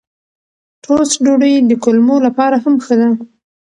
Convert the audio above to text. ټوسټ ډوډۍ د کولمو لپاره هم ښه ده.